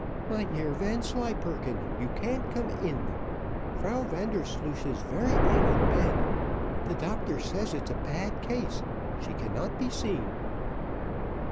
"Mynheer Vanslyperken, you can't come in. Frau Vandersloosh is very ill in bed the doctor says it's a bad case she cannot be seen."